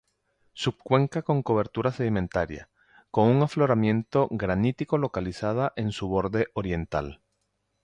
Subcuenca con cobertura sedimentaria, con un afloramiento granítico localizado en su borde oriental.